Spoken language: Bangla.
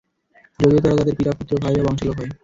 যদিও তারা তাদের পিতা, পুত্র, ভাই বা বংশের লোক হয়।